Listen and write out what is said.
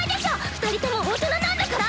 二人とも大人なんだから！